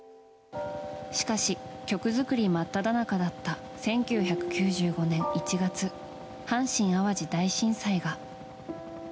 しかし、曲作り真っただ中だった１９９５年１月阪神・淡路大震災が。